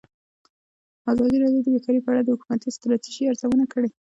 ازادي راډیو د بیکاري په اړه د حکومتي ستراتیژۍ ارزونه کړې.